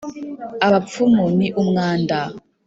abapfumu ni umwanda